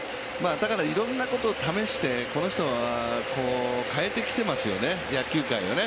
いろんなことを試してこの人は変えてきていますよね、野球界をね。